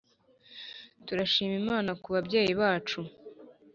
turashimira imana kubabyeyi bacu